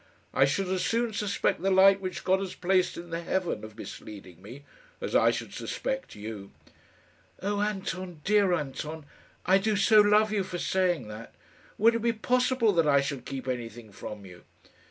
I should as soon suspect the light which God has placed in the heaven of misleading me, as I should suspect you." "Oh, Anton, dear Anton, I do so love you for saying that! Would it be possible that I should keep anything from you?"